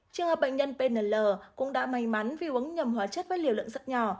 trường hợp bệnh nhân pnl cũng đã may mắn vì uống nhầm hóa chất với liều lượng rất nhỏ